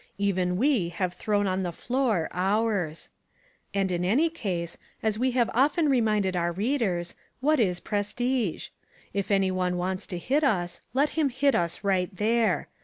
Even we have thrown on the floor ours. And in any case, as we have often reminded our readers, what is prestige? If any one wants to hit us, let him hit us right there.